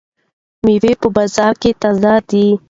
مېوې په بازار کې تازه دي.